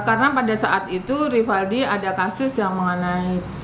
karena pada saat itu rifaldi ada kasus yang mengenai polisi